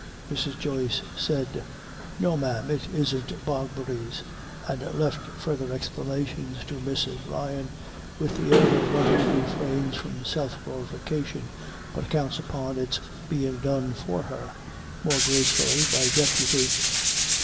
Mrs. Joyce said: "No, ma'am, it isn't bogberries;" and left further explanations to Mrs. Ryan, with the air of one who refrains from self glorification, but counts upon its being done for her, more gracefully, by deputy.